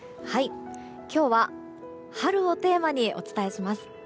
今日は、春をテーマにお伝えします。